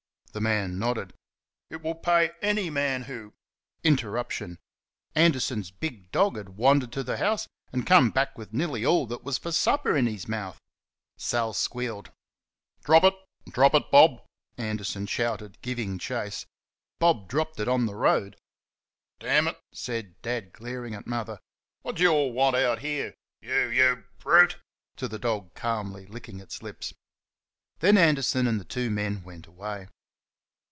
The man nodded. "It will pay any man who " Interruption. Anderson's big dog had wandered to the house, and came back with nearly all that was for supper in his mouth. Sal squealed. "DROP IT DROP IT, Bob!" Anderson shouted, giving chase. Bob dropped it on the road. "DAMN IT!" said Dad, glaring at Mother, "wot d' y' ALL want out 'ere?...Y YOU brute!" (to the dog, calmly licking its lips). Then Anderson and the two men went away.